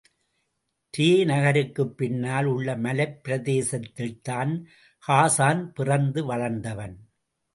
ரே நகருக்குப் பின்னால் உள்ள மலைப் பிரதேசத்தில்தான் ஹாசான் பிறந்து வளர்ந்தவன்.